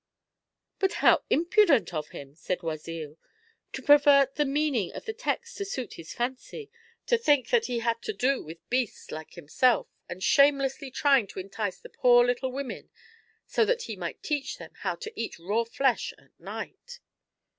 " But how impudent of him," said Oisille, " to per vert the meaning of the text to suit his fancy, thinking that he had to do with beasts like himself, and shame lessly trying to entice the poor little women so that he might teach them how to eat raw flesh at night."